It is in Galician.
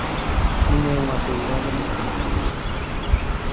Non é unha prioridade neste momento.